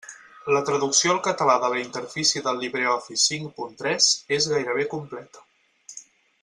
La traducció al català de la interfície del LibreOffice cinc punt tres és gairebé completa.